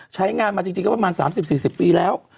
ใช้งานมาจริงก็ประมาณ๓๐๔๐ปีแล้ว